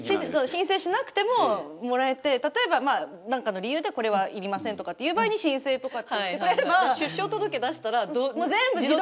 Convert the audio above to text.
申請しなくてももらえて例えば何かの理由でこれは要りませんとかっていう場合に申請とかってしてくれれば。